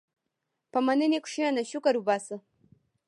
په مننې کښېنه، شکر وباسه.